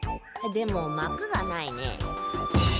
でもまくがないね。